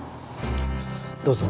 どうぞ。